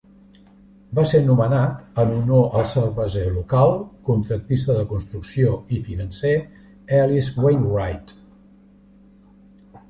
Va ser nomenat en honor al cerveser local, contractista de construcció, i financer Ellis Wainwright.